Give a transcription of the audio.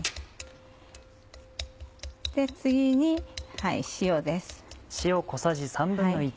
次に塩です。